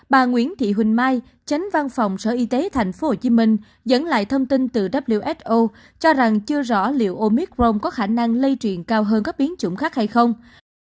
bà nguyễn thị huỳnh mai chánh văn phòng sở y tế tp hcm dẫn lại thông tin từ who cho rằng chưa rõ liệu omicron có khả năng lây truyền cao hơn các biến chủng khác hay không